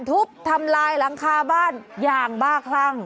ทุบทำลายหลังคาบ้านอย่างบ้าคลั่ง